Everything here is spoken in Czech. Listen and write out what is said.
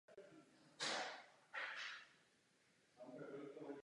Po skončení funkčního období opět přednášel na Právnické fakultě Univerzity Karlovy.